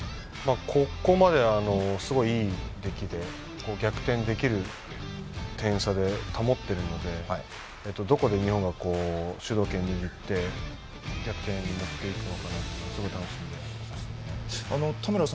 ここまですごいいい出来で逆転できる点差で保っているのでどこで日本が主導権を握って逆転に持っていくのかすごい楽しみですね。